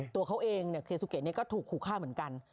ตัวเขาเองเคซูเกะก็ถูกขู่ฆ่าเหมือนกัน